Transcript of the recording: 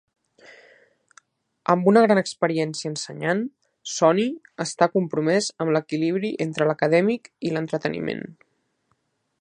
Amb una gran experiència ensenyant, Sonny està compromès amb l'equilibri entre l'acadèmic i l'entreteniment.